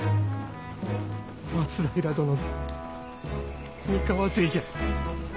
松平殿の三河勢じゃ！